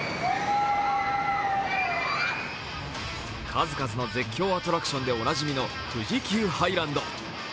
数々の絶叫アトラクションでおなじみの富士急ハイランド。